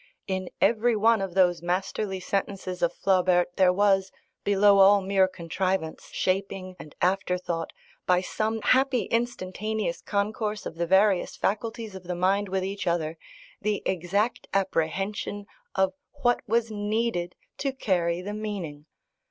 In every one of those masterly sentences of Flaubert there was, below all mere contrivance, shaping and afterthought, by some happy instantaneous concourse of the various faculties of the mind with each other, the exact apprehension of what was needed to carry the meaning.